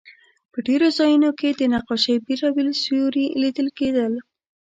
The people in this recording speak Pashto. په ډېرو ځایونو کې د نقاشۍ بېلابېل سیوري لیدل کېدل.